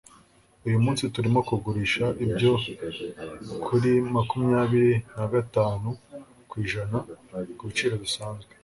Uyu munsi, turimo kugurisha ibyo kuri makumyabiri na gatanu kwijana kubiciro bisanzwe.